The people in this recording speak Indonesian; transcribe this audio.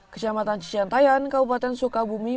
kecamatan cicantayan kabupaten sukabumi